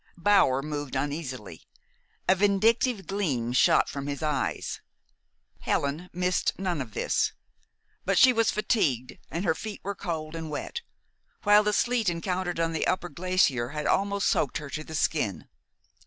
Bower moved uneasily. A vindictive gleam shot from his eyes. Helen missed none of this. But she was fatigued, and her feet were cold and wet, while the sleet encountered on the upper glacier had almost soaked her to the skin.